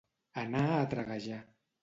Anar a traguejar.